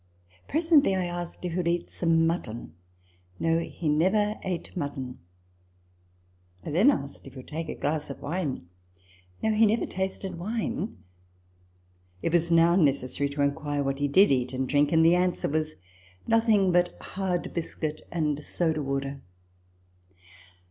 Presently I asked if he would eat some mutton ?" No ; he never ate mutton." I then asked if he would take a glass of wine ?" No ; he never tasted wine." It was now necessary to inquire what he TABLE TALK OF SAMUEL ROGERS 177 did eat and drink ; and the answer was, " Nothing but hard biscuits and soda water."